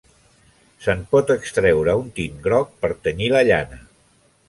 Se'n pot extreure un tint groc per tenyir la llana.